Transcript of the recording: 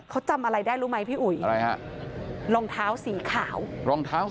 เขาจำอะไรได้รู้ไหมพี่อุ๋ยอะไรฮะรองเท้าสีขาวรองเท้า